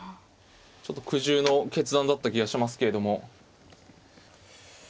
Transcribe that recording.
ちょっと苦渋の決断だった気がしますけれども。